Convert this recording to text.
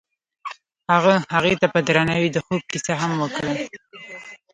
هغه هغې ته په درناوي د خوب کیسه هم وکړه.